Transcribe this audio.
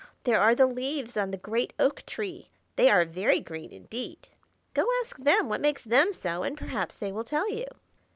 There are the leaves on the great oak tree; they are very green indeed. Go ask them what makes them so, and perhaps they will tell you."